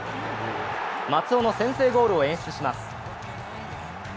松尾の先制ゴールを演出します。